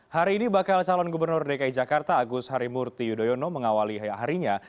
hari ini bakal calon gubernur dki jakarta agus harimurti yudhoyono mengawali harinya